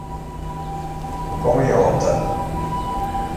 Hoe komme jo op dat idee?